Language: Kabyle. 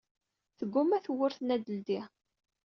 Tegguma tewwurt-nni ad teldi.